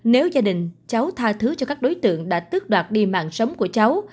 nếu gia đình cháu tha thứ cho các đối tượng đã tước đoạt đi mạng sống của cháu